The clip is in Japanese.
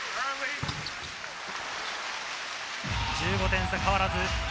１５点差変わらず。